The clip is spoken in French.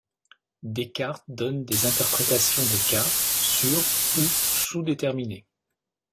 Descartes donne des interprétations des cas sur- ou sous-déterminés.